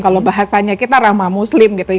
kalau bahasanya kita ramah muslim gitu